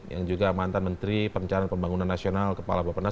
yang juga mantan menteri perencanaan pembangunan nasional kepala bapak nas